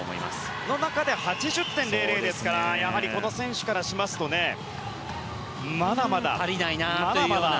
その中で８０．００ですからやはりこの選手からしますとまだまだ足りないと。